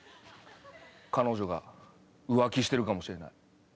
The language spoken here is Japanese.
彼女が浮気してるかもしれない。